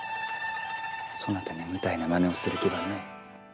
そなたに無体なまねをする気はない。